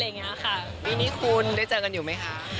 วันนี้คุณได้เจอกันอยู่ไหมคะ